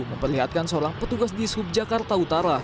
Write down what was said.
memperlihatkan seorang petugas di subjakarta utara